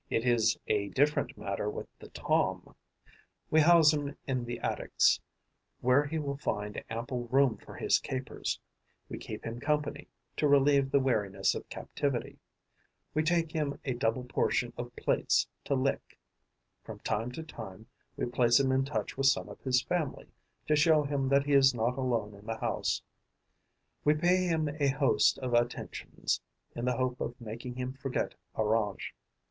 It is a different matter with the Tom. We house him in the attics, where he will find ample room for his capers; we keep him company, to relieve the weariness of captivity; we take him a double portion of plates to lick; from time to time, we place him in touch with some of his family, to show him that he is not alone in the house; we pay him a host of attentions, in the hope of making him forget Orange.